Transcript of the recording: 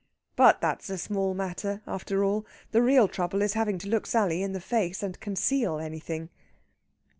But that's a small matter, after all. The real trouble is having to look Sally in the face and conceal anything.